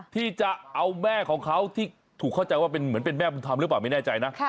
ที่จะเอาแม่ของเขาที่ถูกเข้าใจว่าเป็นแม่มันทำหรือเปล่าไม่แน่ใจนะ